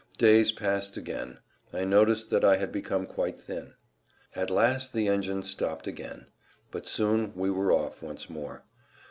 Days passed again. I noticed that I had become quite thin. At last the engines stopped again. But soon we were off once more.